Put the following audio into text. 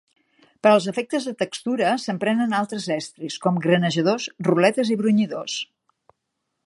Per als efectes de textura s'empren altres estris, com granejadors, ruletes i brunyidors.